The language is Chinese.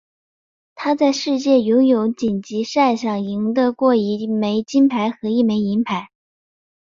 他在世界游泳锦标赛上赢得过一枚金牌和一枚银牌。